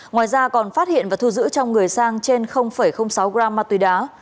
ngoài ra còn phát hiện và thu giữ trong người sang trên sáu gram ma túy đá